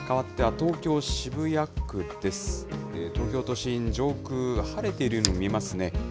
東京都心、上空、晴れているように見えますね。